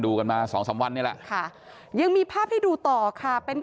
กันมาสองสามวันนี้แหละค่ะยังมีภาพให้ดูต่อค่ะเป็น